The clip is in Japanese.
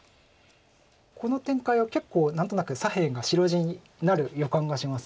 この展開は結構何となく左辺が白地になる予感がします。